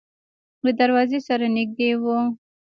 د دروازې سره نږدې و.